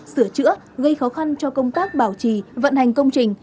sửa chữa gây khó khăn cho công tác bảo trì vận hành công trình